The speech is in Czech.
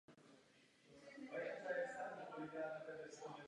Při měření je třeba pravidelně kontrolovat čistotu základny i desky.